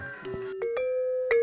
kehidupan kita di sini